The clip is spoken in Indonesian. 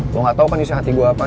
gue gak tau kan isi hati gue apa